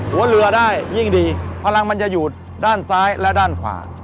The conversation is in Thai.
หัวเรือได้ยิ่งดีพลังมันจะอยู่ด้านซ้ายและด้านขวา